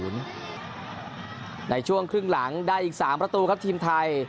ในช่วงครึ่งหลังได้อีก๓ประตูครับทีมไทย